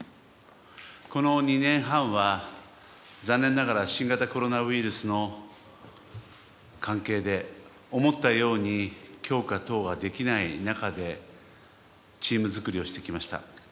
この２年半は残念ながら新型コロナウイルスの関係で思ったように強化等ができない中でチーム作りをしてきました。